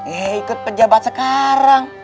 eh ikut pejabat sekarang